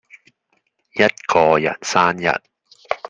一個人生日